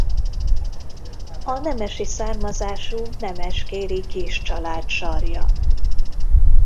A nemesi származású nemeskéri Kiss család sarja.